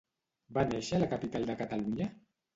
Va néixer a la capital de Catalunya?